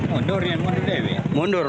mundur ya mundur deh